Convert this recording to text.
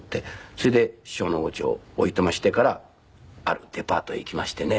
それで師匠のお家をおいとましてからあるデパートへ行きましてね。